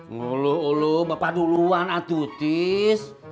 luluh luluh bapak duluan atutis